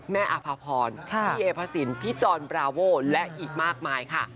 อาภาพรพี่เอพระสินพี่จรบราโว่และอีกมากมายค่ะ